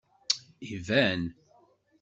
Iban.